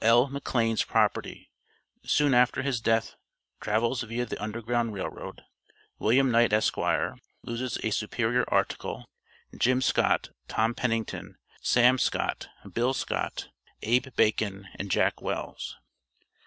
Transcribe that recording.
L. McLANE'S PROPERTY, SOON AFTER HIS DEATH, TRAVELS viâ THE UNDERGROUND RAIL ROAD. WILLIAM KNIGHT, ESQ., LOSES A SUPERIOR "ARTICLE." JIM SCOTT, TOM PENNINGTON, SAM SCOTT, BILL SCOTT, ABE BACON, AND JACK WELLS.